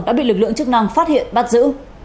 đã bị lực lượng chức năng phát hiện bắt giữ